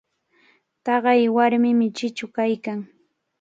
Taqay warmimi chichu kaykan.